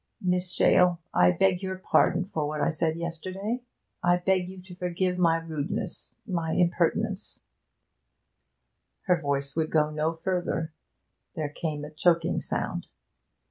'Miss Shale, I beg your pardon for what I said yesterday I beg you to forgive my rudeness my impertinence ' Her voice would go no further; there came a choking sound.